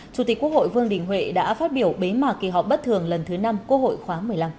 chủ tịch quốc hội vương đình huệ đã phát biểu bế mạc kỳ họp bất thường lần thứ năm quốc hội khóa một mươi năm